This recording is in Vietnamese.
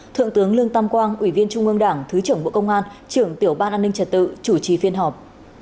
thượng tướng lương tam quang ủy viên trung ương đảng thứ trưởng bộ công an trưởng tiểu ban an ninh trật tự chủ trì phiên họp